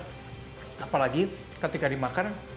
terus apalagi ketika dimakan